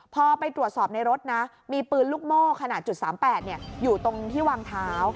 พอไปตรวจสอบในรถนะมีปืนลูกโม่ขนาด๓๘อยู่ตรงที่วางเท้า